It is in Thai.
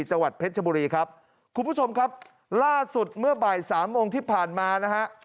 จังหวัดเพชรชบุรีครับคุณผู้ชมครับล่าสุดเมื่อบ่ายสามโมงที่ผ่านมานะฮะ